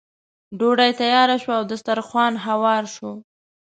ډوډۍ تیاره شوه او دسترخوان هوار شو.